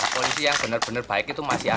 polisi yang benar benar baik itu masih ada